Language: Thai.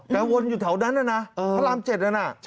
แต่วนอยู่แถวนั้นนะพระราม๗นั่นน่ะ